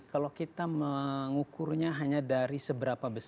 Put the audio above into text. kalau kita mengukurnya hanya dari seberapa besar